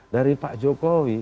dari pak jokowi